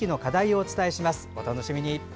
お楽しみに。